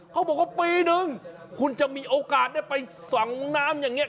เขาบอกว่าปีนึงคุณจะมีโอกาสได้ไปส่องน้ำอย่างนี้